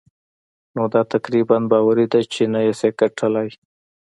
نو دا تقريباً باوري ده چې نه يې شې ګټلای.